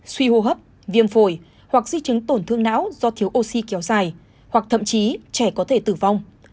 suy hô hấp viêm phổi hoặc di chứng tổn thương não do thiếu oxy kéo dài hoặc thậm chí trẻ có thể tử vong